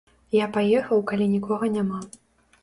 Я паехаў, калі нікога няма.